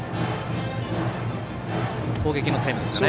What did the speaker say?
攻撃のタイムですかね。